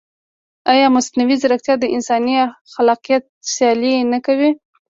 ایا مصنوعي ځیرکتیا د انساني خلاقیت سیالي نه کوي؟